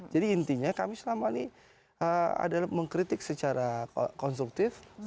jadi intinya kami selama ini adalah mengkritik secara konstruktif